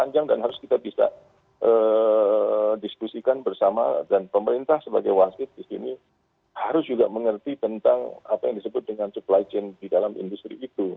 jadi kebijakan bersama dan pemerintah sebagai wasit di sini harus juga mengerti tentang apa yang disebut dengan supply chain di dalam industri itu